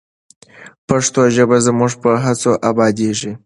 پښتو ژبه زموږ په هڅو ابادیږي.